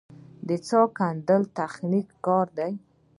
د څاه کیندل تخنیکي کار دی